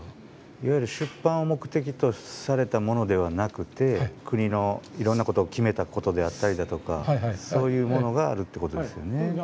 いわゆる出版を目的とされたものではなくて国のいろんなことを決めたことであったりだとかそういうものがあるってことですよね。